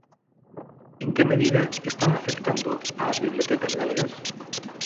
En que medida están afectando ás bibliotecas galegas?